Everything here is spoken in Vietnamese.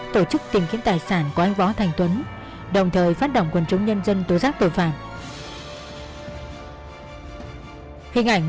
trúc đ hace nhưng của thầy